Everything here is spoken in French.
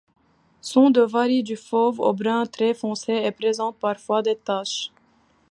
Son dos varie du fauve au brun très foncé et présente parfois des taches.